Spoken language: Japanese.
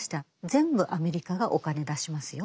全部アメリカがお金出しますよ。